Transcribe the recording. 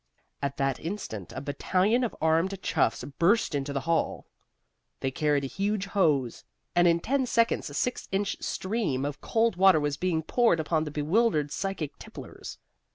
At that instant a battalion of armed chuffs burst into the hall. They carried a huge hose, and in ten seconds a six inch stream of cold water was being poured upon the bewildered psychic tipplers.